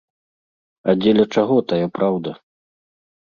А дзеля чаго тая праўда?